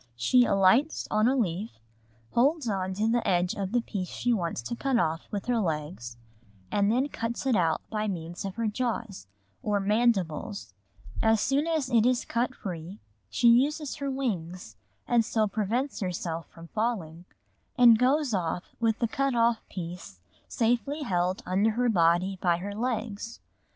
_] She alights on a leaf, holds on to the edge of the piece she wants to cut off with her legs, and then cuts it out by means of her jaws, or mandibles; as soon as it is cut free she uses her wings and so prevents herself from falling, and goes off with the cut off piece safely held under her body by her legs.